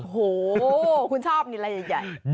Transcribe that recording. โอ้โหคุณชอบนี่อะไรใหญ่